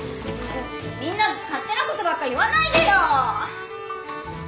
みんな勝手な事ばっか言わないでよ！